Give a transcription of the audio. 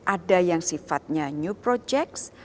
ada yang sifatnya new projects